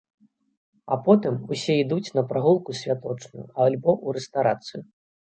А потым усе ідуць на прагулку святочную, альбо у рэстарацыю.